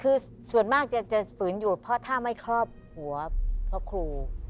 คือส่วนมากจะฝืนอยู่เพราะถ้าไม่ครอบหัวพระครู